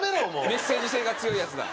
メッセージ性が強いやつだ。